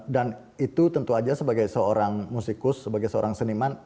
dan itu tentu aja sebagai seorang musikus sebagai seorang seniman